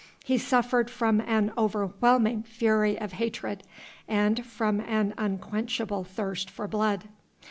He suffered from an overwhelming fury of hatred and from an unquenchable thirst for blood.